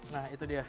nah itu dia